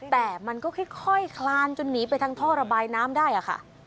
แต่มันก็ค่อยคลานจนหนีไปทางท่อระบายน้ำได้ค่ะ